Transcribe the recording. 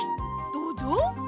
どうぞ。